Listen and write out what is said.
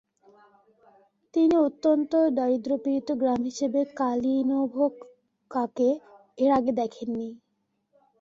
তিনি অত্যন্ত দারিদ্র্যপীড়িত গ্রাম হিসেবে কালিনোভকাকে এর আগে দেখেননি।